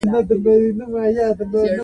عطایي تل هڅه کړې چې ژبه له ستونزو وساتي.